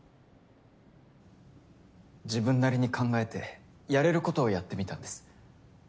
自分なりに考えてやれることをやってみたんです。